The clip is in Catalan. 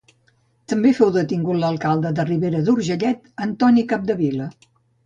També fou detingut l'alcalde de Ribera d'Urgellet, Antoni Capdevila.